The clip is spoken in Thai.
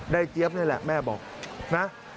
เจี๊ยบนี่แหละแม่บอกนะ